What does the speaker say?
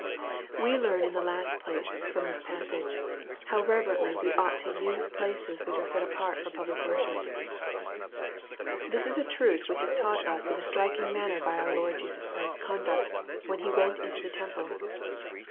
We learn, in the last place, from this passage, how reverently we ought to use places which are set apart far public worship. This is a truth which is taught us in a MARK, CHAP. XI. 235 Itriking manner by our Lord Jesus Christ's conduct, when He went into the temple.